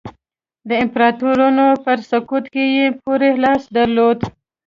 د امپراتورانو په سقوط کې یې پوره لاس درلود.